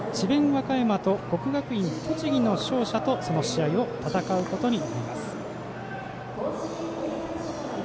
和歌山と国学院栃木の勝者とその試合を戦うことになります。